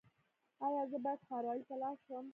ایا زه باید ښاروالۍ ته لاړ شم؟